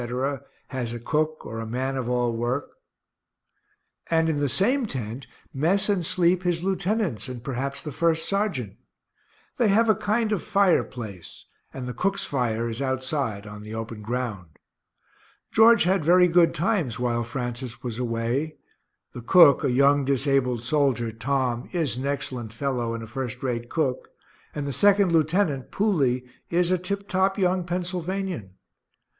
has a cook, (or a man of all work,) and in the same tent mess and sleep his lieutenants, and perhaps the first sergeant. They have a kind of fire place and the cook's fire is outside on the open ground. George had very good times while Francis was away the cook, a young disabled soldier, Tom, is an excellent fellow and a first rate cook, and the second lieutenant, Pooley, is a tip top young Pennsylvanian.